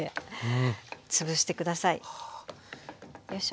よいしょ。